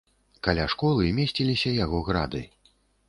Каля школы месціліся яго грады.